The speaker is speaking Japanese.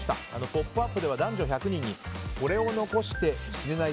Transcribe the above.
「ポップＵＰ！」では男女１００人にこれを残して死ねない